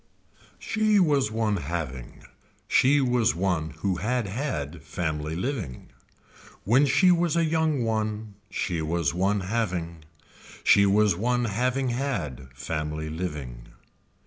She was one having, she was one who had had family living. When she was a young one she was one having, she was one having had family living.